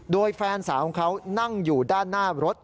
โดยแฟนสาวของเขานั่งอยู่ด้านหน้ารถ